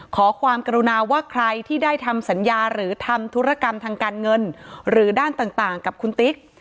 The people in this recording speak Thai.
ขอความกรุณาว่าใครที่ได้ทำสัญญาหรือทำธุรกรรมทางการเงินหรือด้านต่างกับคุณติ๊ก